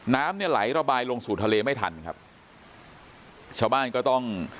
น้ำเนี่ยไหลระบายลงสู่ทะเลไม่ทันครับชาวบ้านก็ต้อง